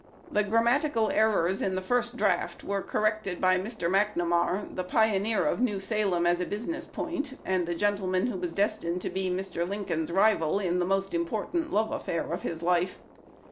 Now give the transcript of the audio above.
The "grammatical errors" in the first draft were corrected by Mr. McNamar, the pioneer of New Salem as a business point, and the gentleman who was destined to be Mr. Lincoln's rival in the most important love affair of his life.